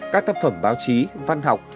các tác phẩm báo chí văn học